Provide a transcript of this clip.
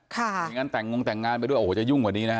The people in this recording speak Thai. มีงานแต่งงแต่งงานไปด้วยโอ้โหจะยุ่งกว่านี้นะฮะ